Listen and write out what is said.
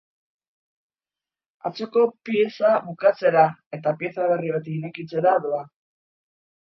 Atzoko pieza bukatzera eta pieza berri bat irekitzera doa.